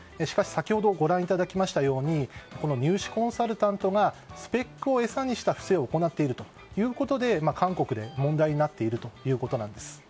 しかし、先ほどご覧いただきましたようにこの入試コンサルタントがスペックを餌にした不正を行っているということで韓国で問題になっているということです。